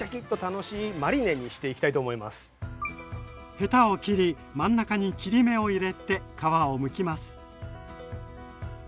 ヘタを切り真ん中に切り目を入れて皮をむきます。